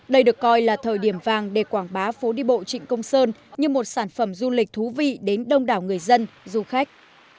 đây được coi là thời điểm vàng để quảng bá phố đi bộ trịnh công sơn như một sản phẩm du lịch thú vị đến đông đảo người dân du khách